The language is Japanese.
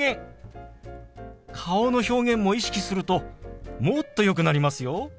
顔の表現も意識するともっとよくなりますよ。